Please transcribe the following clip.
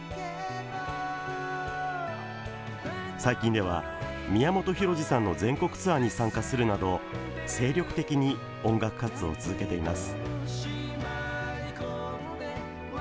最近では宮本浩次さんの全国ツアーに参加するなど精力的に音楽活動を続けています。